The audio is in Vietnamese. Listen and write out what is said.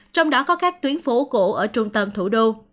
trong đó có các tuyến phố cổ ở trung tâm thủ đô